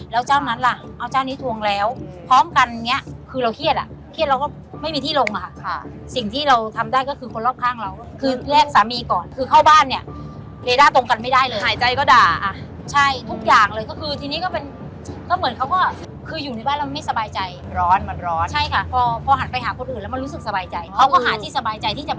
แล้วเจ้านั้นล่ะเอาเจ้านี้ทวงแล้วพร้อมกันนี้คือเราเครียดอ่ะเครียดเราก็ไม่มีที่ลงอ่ะค่ะสิ่งที่เราทำได้ก็คือคนรอบข้างเราก็คือแลกสามีก่อนคือเข้าบ้านเนี้ยเรด้าตรงกันไม่ได้เลยหายใจก็ด่าอ่ะใช่ทุกอย่างเลยก็คือทีนี้ก็เป็นก็เหมือนเขาก็คืออยู่ในบ้านเราไม่สบายใจร้อนเหมือนร้อนใช่ค่ะพอพอหันไปห